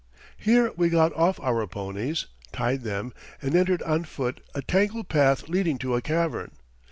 Here we got off our ponies, tied them, and entered on foot a tangled path leading to a cavern.